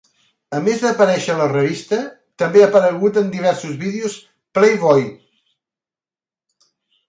A més d'aparèixer a la revista, també ha aparegut en diversos vídeos "Playboy".